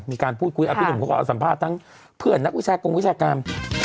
มีการพูดคุยอาทิตย์หนุ่มความสัมภาษณ์ตั้งเพื่อนนักวิชากรวิชาการ